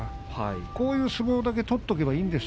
こういう相撲だけ取っておけばいいんです